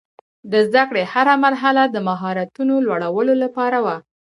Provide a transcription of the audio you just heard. د زده کړې هره مرحله د مهارتونو لوړولو لپاره وه.